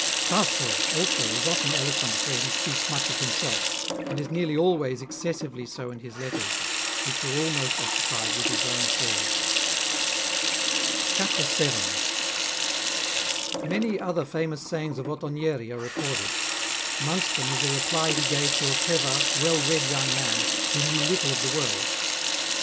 Tasso also is often eloquent where he speaks much of himself, and is nearly always exces sively so in his letters, which are almost occupied with his own affairs. CHAPTEE VIL Many other famous sayings of Ottonieri are recorded. Amongst them is a reply he gave to a clever, well read young man, who knew little of the world.